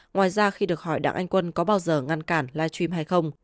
ngoài ra khi được hỏi đảng anh quân có bao giờ ngăn cản live stream hay không